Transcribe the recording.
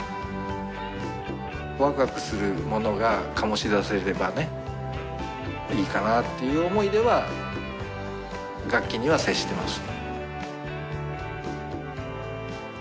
ワクワクするものが醸し出せればねいいかなっていう思いでは楽器には接してます。